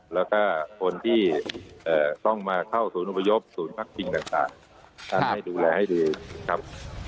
แล้วก็คนที่ต้องมาเข้าศูนย์อุปยบศูนย์ภักดิ์ปีศาสตร์ท่านห้าให้ดูแลให้ดีครับ